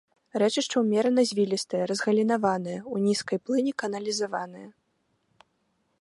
Рэчышча ўмерана звілістае, разгалінаванае, у нізкай плыні каналізаванае.